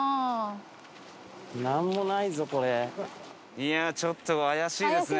いやあちょっと怪しいですね